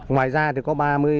ngoài ra có ba mươi